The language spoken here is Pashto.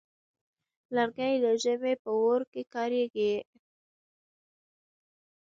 لرګی د ژمي په اور کې کارېږي.